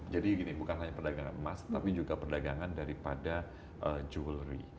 jadi gini bukan hanya perdagangan emas tapi juga perdagangan daripada jewelry